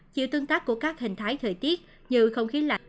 chiều tương tác của các hình thái thời tiết như không khí lạnh